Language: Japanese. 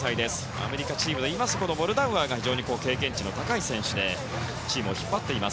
アメリカチームはモルダウアーが非常に経験値の高い選手でチームを引っ張っています。